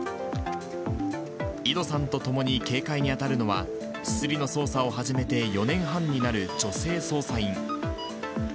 井戸さんと共に警戒に当たるのは、すりの捜査を始めて４年半になる女性捜査員。